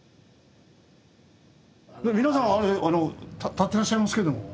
皆さん立ってらっしゃいますけども。